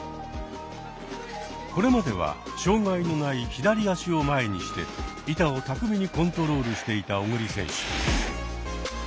これまでは障害のない左足を前にして板を巧みにコントロールしていた小栗選手。